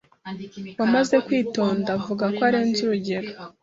Wamamaze kwitonda vuga ko arenze urugero